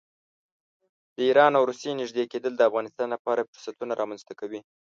د ایران او روسیې نږدې کېدل د افغانستان لپاره فرصتونه رامنځته کوي.